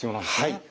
はい。